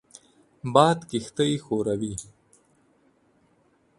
باد کښتۍ ښوروي